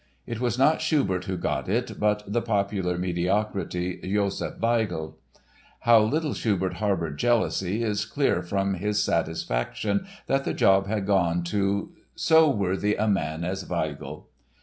It was not Schubert who got it but the popular mediocrity, Josef Weigl. How little Schubert harbored jealousy is clear from his satisfaction that the job had gone to "so worthy a man as Weigl."